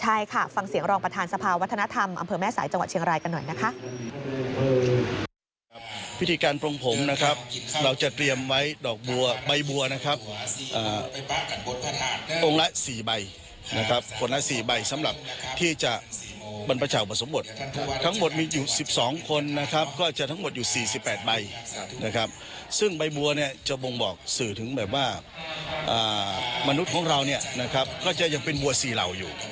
ใช่ค่ะฟังเสียงรองประธานสภาวัฒนธรรมอำเภอแม่สายจังหวัดเชียงรายกันหน่อยนะคะ